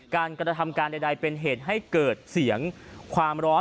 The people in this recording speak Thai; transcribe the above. การกระทำการใดเป็นเหตุให้เกิดเสียงความร้อน